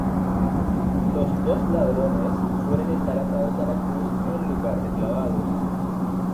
Los dos ladrones suelen estar atados a la cruz en lugar de clavados.